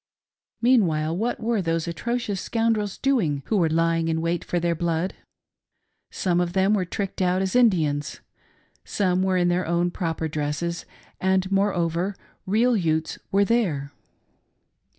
Meanwhile, what were those atrocious scoundrels doing who were lying in waij for their blood.' Some of them were tricked out as Indians ; some were in their own proper dresses ; and, moreover, real Utes were there.